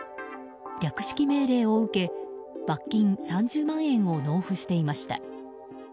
略式命令を受け罰金３０万円を納付していました。